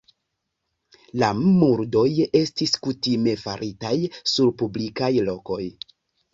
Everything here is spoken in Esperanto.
La murdoj estis kutime faritaj sur publikaj lokoj.